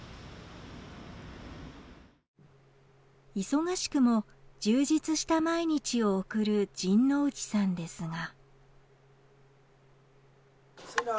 忙しくも充実した毎日を送る陣内さんですが。